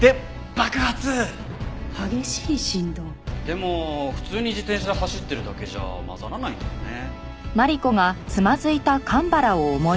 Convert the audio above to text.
激しい振動？でも普通に自転車で走ってるだけじゃ混ざらないんだよね。